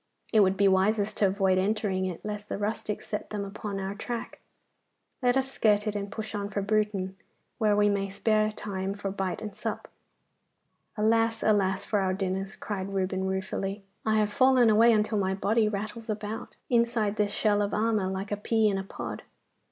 It would be wisest to avoid entering it, lest the rustics set them upon our track. Let us skirt it and push on for Bruton, where we may spare time for bite and sup.' 'Alas, alas! for our dinners!' cried Reuben ruefully. 'I have fallen away until my body rattles about, inside this shell of armour, like a pea in a pod.